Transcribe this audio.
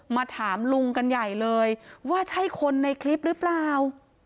มาถามลุงกันใหญ่เลยว่าใช่คนในคลิปหรือเปล่า